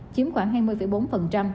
chiếm khoảng hai mươi bốn